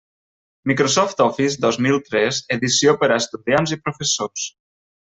Microsoft Office dos mil tres, edició per a estudiants i professors.